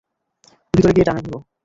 ভিতরে গিয়ে ডানে ঘুরো।